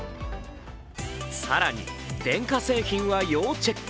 更に電化製品は要チェック。